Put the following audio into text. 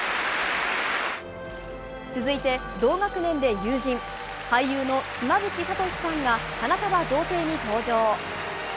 続いて、同学年で友人俳優の妻夫木聡さんが花束贈呈に登場。